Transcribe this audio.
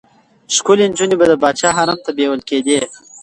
ښکلې نجونې به د پاچا حرم ته بېول کېدې.